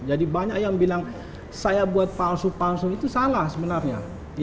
jadi banyak yang bilang saya buat palsu palsu itu salah sebenarnya